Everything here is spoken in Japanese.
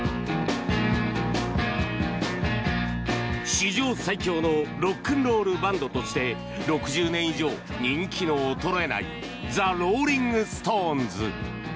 史上最強のロックンロールバンドとして６０年以上人気の衰えないザ・ローリング・ストーンズ。